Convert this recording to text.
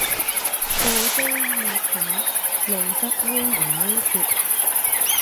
告要睇露得猥唔猥褻